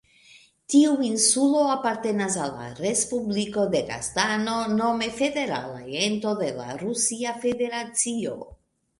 Tiu insulo apartenas al la Respubliko Dagestano, nome federala ento de la Rusia Federacio.